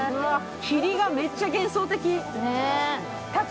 霧がめっちゃ幻想的。